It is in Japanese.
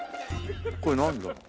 これなんだろう？